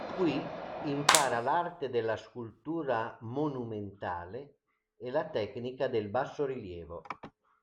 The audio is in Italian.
Qui impara l'arte della scultura monumentale e la tecnica del bassorilievo.